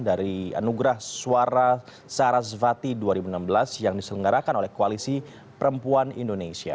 dari anugerah suara sarasvati dua ribu enam belas yang diselenggarakan oleh koalisi perempuan indonesia